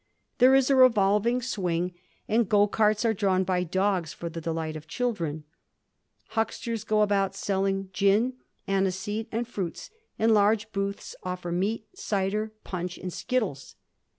There is a revolving swing, and Digiti zed by Google 1714 CLUBS. 97 go carts are drawn by dogs for the delight of children. Hucksters go about selling gin, aniseed, and fruits, and large booths offer meat, cider, punch, and skittles.